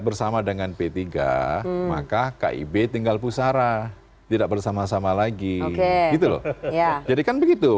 bersama dengan p tiga maka kib tinggal pusara tidak bersama sama lagi gitu loh jadi kan begitu